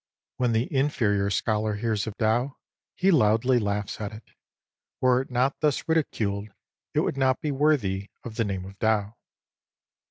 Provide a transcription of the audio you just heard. When the inferior scholar hears of Tao, he loudly laughs at it. Were it not thus ridiculed, it would not be worthy of the name of Tao.